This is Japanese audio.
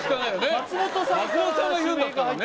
松本さんが言うんだったらね